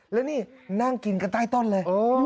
แล้วนี่นั่งกินกันใต้ต้นเลย